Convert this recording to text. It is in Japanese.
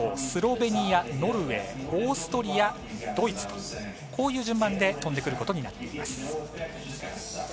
スロベニア、ノルウェーオーストリア、ドイツとこういう順番で飛んでくることになっています。